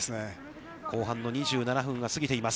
後半の２７分を過ぎています。